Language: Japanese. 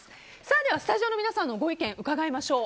スタジオの皆さんのご意見伺いましょう。